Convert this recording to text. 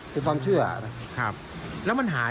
พี่ทำยังไงฮะ